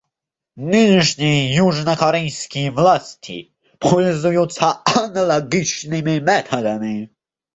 Нынешние южнокорейские власти пользуются аналогичными методами.